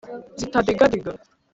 zitadigadiga.